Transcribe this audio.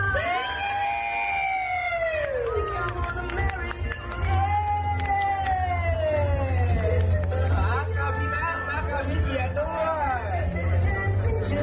เย้พร้อมพี่นางกับพี่เกียรติด้วย